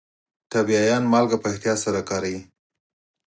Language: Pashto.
ټبیايان مالګه په احتیاط سره کاروي.